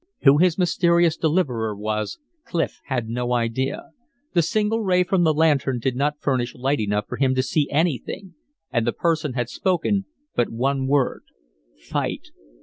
Who his mysterious deliverer was Clif had no idea. The single ray from the lantern did not furnish light enough for him to see anything; and the person had spoken but one word "Fight."